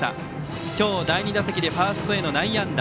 今日第２打席でファーストへの内野安打。